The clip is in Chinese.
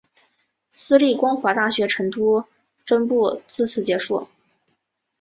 私立光华大学成都分部自此结束。